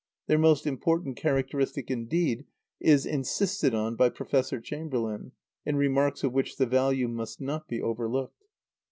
Their most important characteristic indeed is insisted on by Professor Chamberlain, in remarks of which the value must not be overlooked.